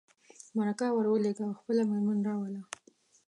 مرکه ور ولېږه او خپله مېرمن راوله.